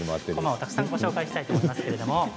たくさんご紹介したいと思います。